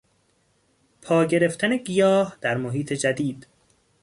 پا گرفتن گیاه در محیط جدید